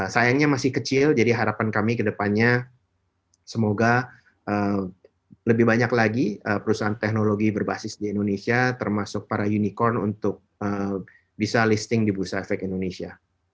sayangnya masih kecil jadi harapan kami ke depannya semoga lebih banyak lagi perusahaan teknologi berbasis di indonesia termasuk para unicorn untuk bisa listing di bursa efek indonesia